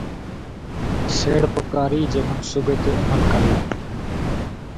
سيڙپڪاري جي منصوبي تي عمل ڪريو